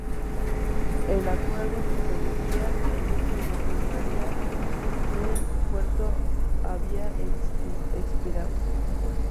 El acuerdo que permitía el uso de Bulgaria del puerto había expirado.